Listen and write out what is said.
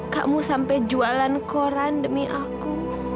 kamu sampai jualan koran demi aku